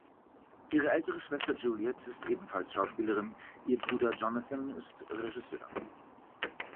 Ihre ältere Schwester Juliet ist ebenfalls Schauspielerin, ihr Bruder Jonathan ist Regisseur.